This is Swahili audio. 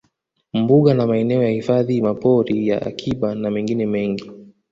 Mbuga na maeneo ya hifadhi mapori ya akiba na mengine mengi